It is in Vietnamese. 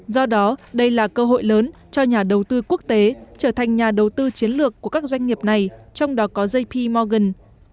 do đó đây là cơ hội lớn cho nhà đầu tư quốc tế trở thành nhà đầu tư chiến lược của các doanh nghiệp này trong đó có jp morgan